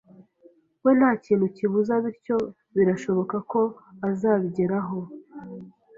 We nta kintu kibuza bityo birashoboka ko azabigeraho